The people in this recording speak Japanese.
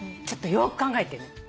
ちょっとよく考えてね。